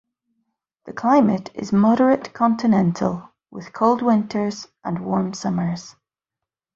The climate is moderate continental with cold winters and warm summers.